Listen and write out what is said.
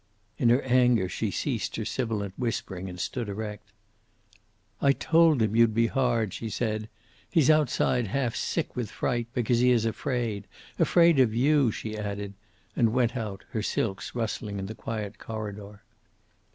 In her anger she ceased her sibilant whispering, and stood erect. "I told him you'd be hard," she said. "He's outside, half sick with fright, because he is afraid. Afraid of you," she added, and went out, her silks rustling in the quiet corridor.